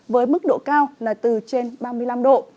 với mức độ cao là từ trên ba mươi năm độ